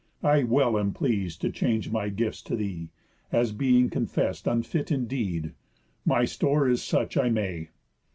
I well am pleas'd To change my gifts to thee, as being confess'd Unfit indeed, my store is such I may.